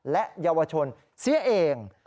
และเยาวชนเสียเอง